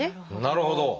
なるほど！